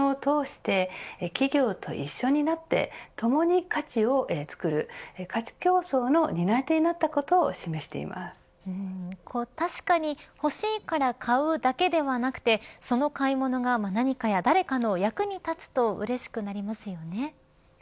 消費者は、もう消費するだけの存在ではなく買い物を通して企業と一緒になって共に価値をつくる価値共創の担い手になったことを確かに、欲しいから買うだけではなくてその買い物が何かや誰かの役に立つとうれしくなりますよね。